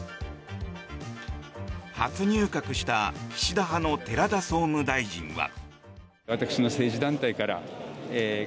初入閣した岸田派の寺田総務大臣は。